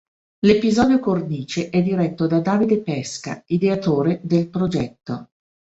L'episodio cornice è diretto da Davide Pesca, ideatore del progetto.